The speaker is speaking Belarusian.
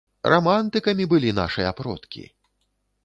Рамантыкамі былі нашыя продкі!